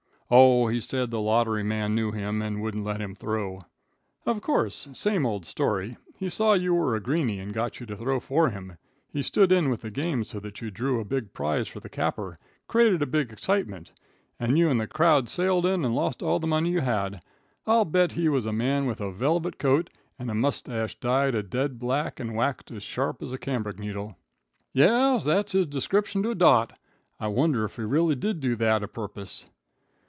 "O, he said the lottery man knew him and wouldn't let him throw." "Of course. Same old story. He saw you were a greeney and got you to throw for him. He stood in with the game so that you drew a big prize for the capper, created a big excitement, and you and the crowd sailed in and lost all the money you had. I'll bet he was a man with a velvet coat, and a moustache dyed a dead black and waxed as sharp as a cambric needle." "Yes; that's his description to a dot. I wonder if he really did do that a purpose."